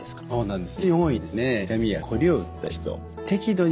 そうなんですね